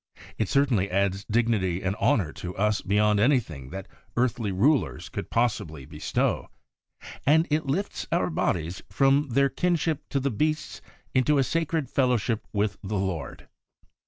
It certainly adds dignity and honour to us beyond anything that earthly rulers could possibly bestow, and it lifts our bodies from their kinship to the beasts into a sacred fellowship with the Lord.